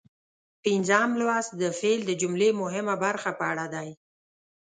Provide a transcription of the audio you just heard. پنځم لوست د فعل د جملې مهمه برخه په اړه دی.